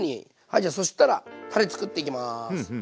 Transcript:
じゃあそしたらたれ作っていきます。